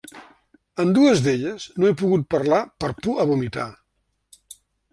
En dues d'elles no he pogut parlar per por a vomitar.